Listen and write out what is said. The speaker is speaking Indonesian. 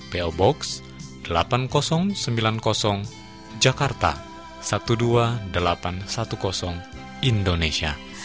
po box delapan ribu sembilan puluh jakarta dua belas ribu delapan ratus sepuluh indonesia